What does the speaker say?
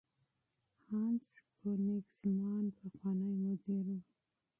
هانس کوېنیګزمان پخوانی مدیر و.